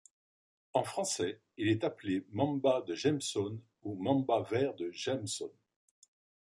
En français, il est appelé Mamba de Jameson ou Mamba vert de Jameson.